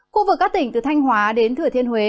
khu vực các tỉnh từ thanh hóa đến thừa thiên huế